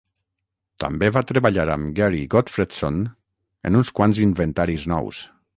També va treballar amb Gary Gottfredson en uns quants inventaris nous.